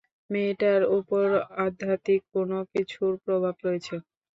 মেয়েটার উপর আধ্যাত্মিক কোনও কিছুর প্রভাব রয়েছে।